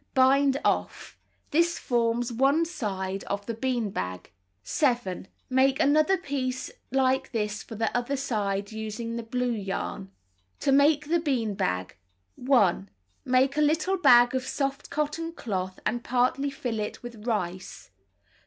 Bind off. This forms one side of the bean bag. 7. Make another piece like this for the other side, using the blue yarn. To Make the Bean Bag 1. Make a little bag of soft cotton cloth and partly fill it with rice.